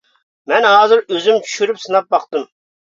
مەن ھازىر ئۆزۈم چۈشۈرۈپ سىناپ باقتىم.